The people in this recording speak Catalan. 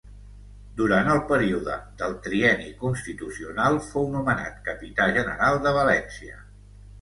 Durant el període del Trienni Constitucional, fou nomenat capità general de València.